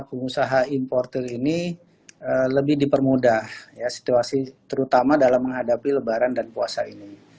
pengusaha importer ini lebih dipermudah situasi terutama dalam menghadapi lebaran dan puasa ini